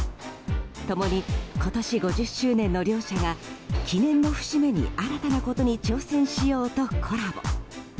共に今年５０周年の両社が記念の節目に新たなことに挑戦しようとコラボ。